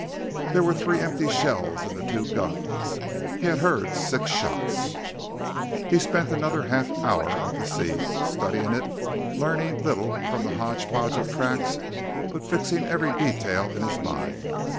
There were three empty shells in the two guns. He had heard six shots. He spent another half hour at the scene, studying it, learning little from the hodgepodge of tracks but fixing every detail in his mind.